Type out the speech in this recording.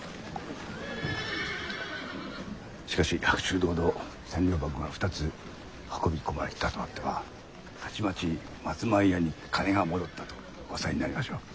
しかし白昼堂々千両箱が２つ運び込まれたとあってはたちまち「松前屋に金が戻った」と噂になりましょう。